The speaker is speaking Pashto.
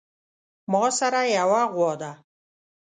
ماسره يوه غوا ده